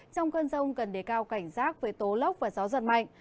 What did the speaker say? trong cơn rông cần đề cao cảnh giác với tố lốc và gió giật mạnh